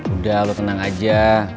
udah lu tenang aja